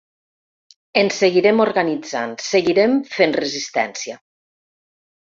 Ens seguirem organitzant, seguirem fent resistència.